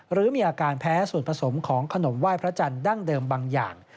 หรือมีอาการแพ้ส่วนผสมของขนมไหว้พระจันทร์ดั้งเดิมบางอย่าง